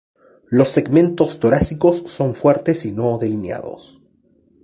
Los segmentos torácicos son fuertes y no delineados.